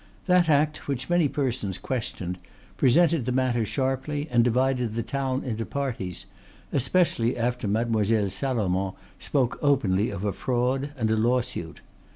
That act, which many persons questioned, presented the matter sharply and divided the town into parties, especially after Mademoiselle Salomon spoke openly of a fraud and a lawsuit.